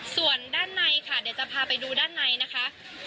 ส่วนด้านในค่ะเดี๋ยวจะพาไปดูด้านในนะคะ